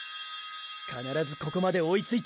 必ずここまで追いついて。